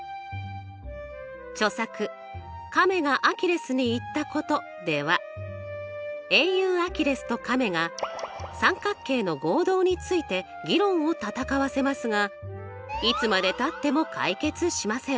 著作「亀がアキレスに言ったこと」では英雄アキレスと亀が三角形の合同について議論を戦わせますがいつまでたっても解決しません。